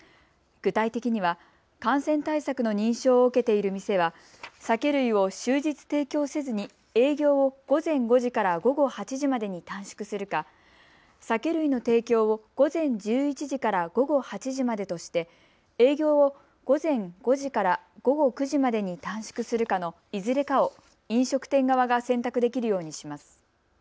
具体的には感染対策の認証を受けている店は酒類を終日提供せずに営業を午前５時から午後８時までに短縮するか酒類の提供を午前１１時から午後８時までとして営業を午前５時から午後９時までに短縮するかのいずれかを飲食店側が選択できるようにします。